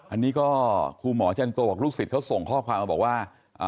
อันนี้ก็ครูหมอจันโตบอกลูกศิษย์เขาส่งข้อความมาบอกว่า